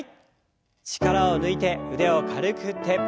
力を抜いて腕を軽く振って。